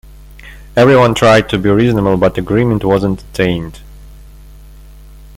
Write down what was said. Everyone tried to be reasonable, but agreement wasn't attained.